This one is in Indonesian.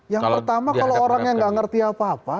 yang pertama kalau orang yang gak ngerti apa apa